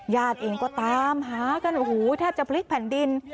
ญาติเองก็ตามหากันโอ้โหแทบจะพลิกแผ่นดิน